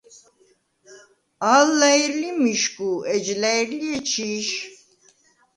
ალ ლა̈ირ ლი მიშგუ, ეჯ ლა̈ირ ლი ეჩი̄შ.